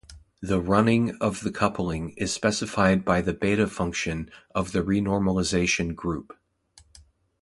This "running" of the coupling is specified by the beta-function of the renormalization group.